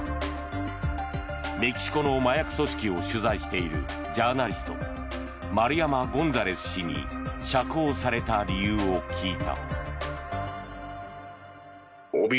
メキシコの麻薬組織を取材しているジャーナリスト丸山ゴンザレス氏に釈放された理由を聞いた。